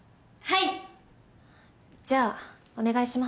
はい。